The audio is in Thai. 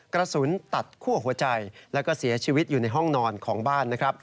กระสุนตัดคั่วหัวใจแล้วก็เสียชีวิตอยู่ในห้องนอนของบ้านนะครับ